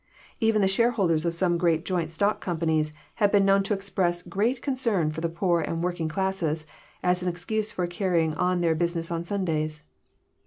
— Even the shareholders of some great Joint stock companies have been known to express great concern for the poor and working classes, as an excuse for carrying on their business on Sundays.